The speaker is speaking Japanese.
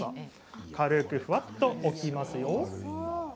軽くふわっと置きますよ。